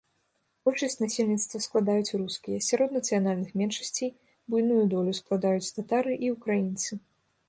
Большасць насельніцтва складаюць рускія, сярод нацыянальных меншасцей буйную долю складаюць татары і украінцы.